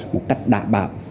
một cách đảm bảo